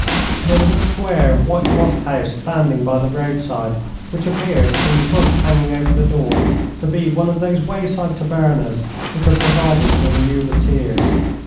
There was a square, whitewashed house standing by the roadside, which appeared, from the bush hanging over the door, to be one of those wayside tabernas which are provided for the muleteers.